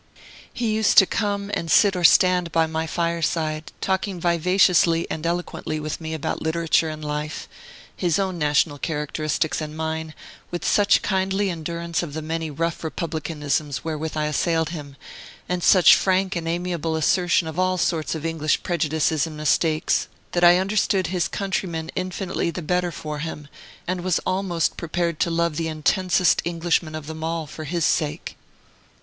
He used to come and sit or stand by my fireside, talking vivaciously and eloquently with me about literature and life, his own national characteristics and mine, with such kindly endurance of the many rough republicanisms wherewith I assailed him, and such frank and amiable assertion of all sorts of English prejudices and mistakes, that I understood his countrymen infinitely the better for him, and was almost prepared to love the intensest Englishman of them all, for his sake.